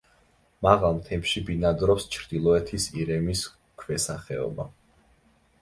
მაღალ მთებში ბინადრობს ჩრდილოეთის ირემის ქვესახეობა.